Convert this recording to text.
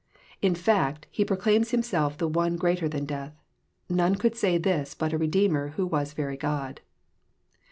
In fact, He pro claims Himself the One greater than death. None could say this but a Redeemer who was very God.